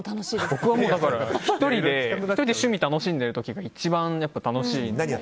僕は１人で趣味楽しんでる時が一番楽しいです。